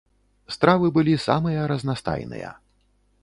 Стравы былі самыя разнастайныя.